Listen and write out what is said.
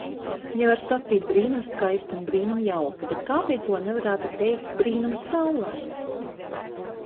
Ja var sacīt brīnumskaisti un brīnumjauki, tad kāpēc lai nevarētu teikt - brīnumsaulaini?